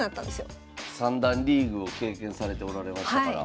三段リーグを経験されておられましたから。